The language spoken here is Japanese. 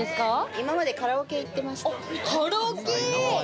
今までカラオケ行ってました。